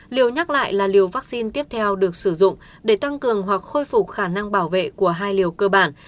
liều nhắc lại là liều vaccine tiếp theo được sử dụng để tăng cường hoặc khôi phục khả năng bảo vệ của hai liều cơ bản